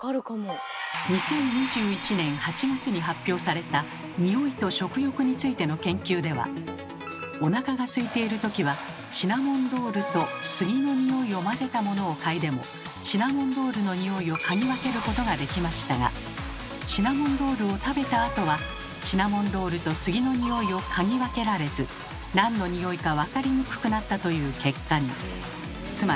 ２０２１年８月に発表された匂いと食欲についての研究ではお腹がすいている時はシナモンロールと杉の匂いを混ぜたものを嗅いでもシナモンロールの匂いを嗅ぎ分けることができましたがシナモンロールを食べたあとはシナモンロールと杉の匂いを嗅ぎ分けられず何の匂いか分かりにくくなったという結果に。